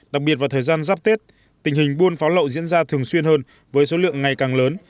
đặc biệt vào thời gian giáp tết tình hình buôn pháo lậu diễn ra thường xuyên hơn với số lượng ngày càng lớn